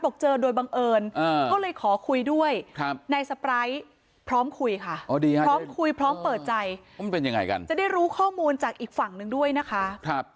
เขาเลยขอคุยด้วยนายสะไปร้ายพร้อมคุยค่ะพร้อมคุยพร้อมเปิดใจจะได้รู้ข้อมูลจากอีกฝั่งนึงด้วยนะคะ